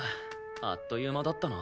あっという間だったな。